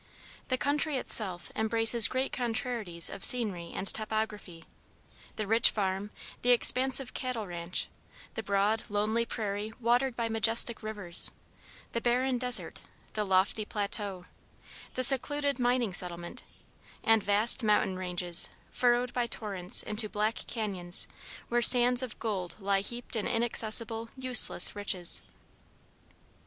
The country itself embraces great contrarieties of scenery and topography the rich farm, the expansive cattle ranch, the broad lonely prairie watered by majestic rivers, the barren desert, the lofty plateau, the secluded mining settlement, and vast mountain ranges furrowed by torrents into black cañons where sands of gold lie heaped in inaccessible, useless riches.